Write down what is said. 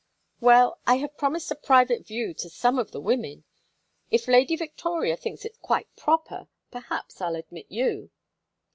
"Well, I have promised a private view to some of the women. If Lady Victoria thinks it quite proper perhaps I'll admit you."